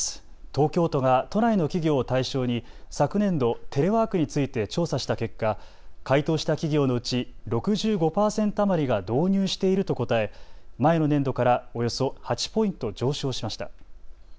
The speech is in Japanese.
東京都が都内の企業を対象に昨年度、テレワークについて調査した結果、回答した企業のうち６５％余りが導入していると答え前の年度からおよそ８ポイント上昇しました。